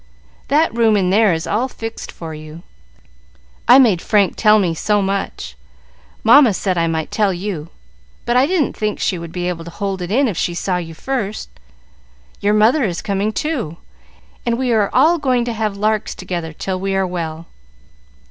"That room in there is all fixed for you. I made Frank tell me so much. Mamma said I might tell you, but I didn't think she would be able to hold in if she saw you first. Your mother is coming, too, and we are all going to have larks together till we are well."